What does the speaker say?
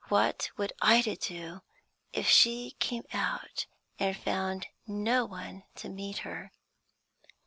What would Ida do, if she came out and found no one to meet her?